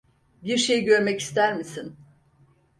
Bir şey görmek ister misin?